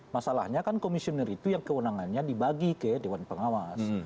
masalahnya kan komisioner itu yang kewenangannya dibagi ke dewan pengawas